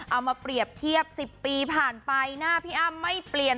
เอามาเปรียบเทียบ๑๐ปีผ่านไปหน้าพี่อ้ำไม่เปลี่ยน